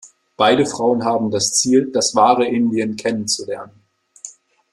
Beide Frauen haben das Ziel, das „wahre Indien“ kennenzulernen.